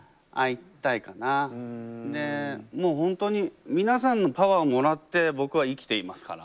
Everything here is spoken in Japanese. もう本当に皆さんのパワーもらって僕は生きていますから。